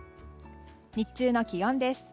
日中の気温です。